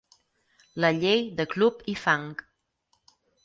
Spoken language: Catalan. La llei de Club i Fang